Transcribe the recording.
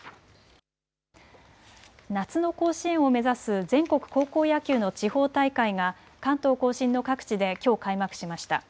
夏の甲子園を目指す全国高校野球の地方大会が関東甲信の各地できょう開幕しました。